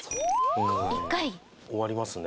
終わりますね。